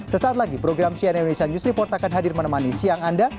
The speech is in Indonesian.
sesaat lagi program cnn indonesia news report akan hadir menemani siang anda